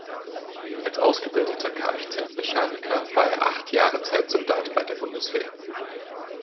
Als ausgebildeter Kfz-Mechaniker war er acht Jahre Zeitsoldat bei der Bundeswehr.